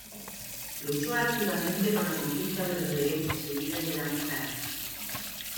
Luchó activamente por la conquista de los derechos civiles de la mujer.